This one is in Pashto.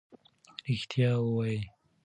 ریښتیا ووایئ.